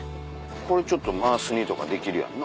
これちょっとマース煮とかできるやんな。